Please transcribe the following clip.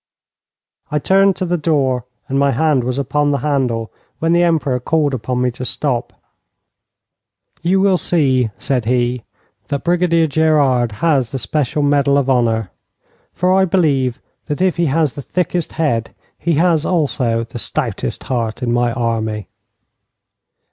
I turned to the door, and my hand was upon the handle, when the Emperor called upon me to stop. 'You will see,' said he, turning to the Duke of Tarentum, 'that Brigadier Gerard has the special medal of honour, for I believe that if he has the thickest head he has also the stoutest heart in my army.'